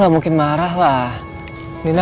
aku takut kamu marah kalau aku bilang